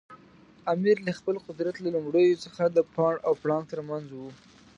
امیر له خپل قدرت له لومړیو څخه د پاڼ او پړانګ ترمنځ و.